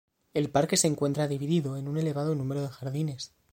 El parque se encuentra dividido en un elevado número de jardines.